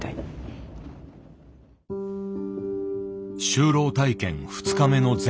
就労体験２日目の前夜。